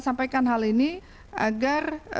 sampaikan hal ini agar